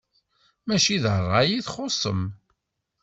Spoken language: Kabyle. Mačči d ṛṛay i txuṣṣem.